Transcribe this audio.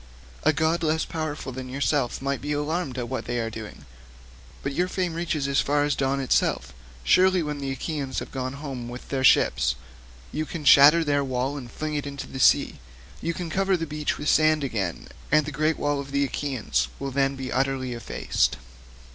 A god less powerful than yourself might be alarmed at what they are doing, but your fame reaches as far as dawn itself. Surely when the Achaeans have gone home with their ships, you can shatter their wall and fling it into the sea; you can cover the beach with sand again, and the great wall of the Achaeans will then be utterly effaced."